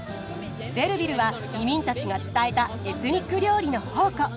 ベルヴィルは移民たちが伝えたエスニック料理の宝庫。